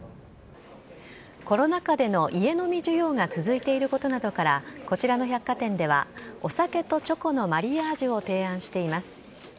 コロナ禍での家飲み需要が続いていることなどからこちらの百貨店ではお酒とチョコのマリアージュを提案しています。